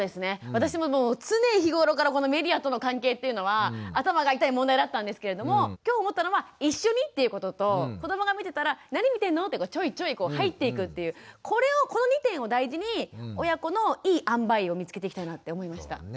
私も常日頃からこのメディアとの関係っていうのは頭が痛い問題だったんですけれども今日思ったのは一緒にっていうことと子どもが見てたら「何見てるの？」ってちょいちょい入っていくっていうこの２点を大事に親子のいいあんばいを見つけていきたいなって思いました。